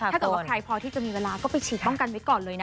ถ้าเกิดว่าใครพอที่จะมีเวลาก็ไปฉีดป้องกันไว้ก่อนเลยนะ